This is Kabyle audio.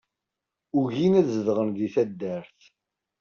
Ugin ad zedɣen di taddart.